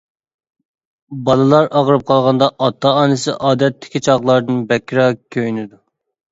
بالىلار ئاغرىپ قالغاندا ئاتا ئانىسى ئادەتتىكى چاغلاردىن بەكرەك كۆيۈنىدۇ.